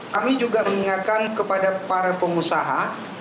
kami juga mengingatkan kepada para pengusaha